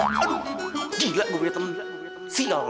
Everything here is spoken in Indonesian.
aduh gila gua punya temen siol